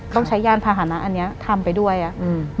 ต้องใช้ยานพาหนะอันเนี้ยทำไปด้วยอ่ะอืม